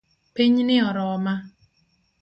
Pinyni oroma